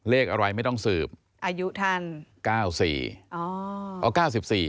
เลขอะไรไม่ต้องสืบอายุท่านเก้าสี่อ๋ออ๋อเก้าสิบสี่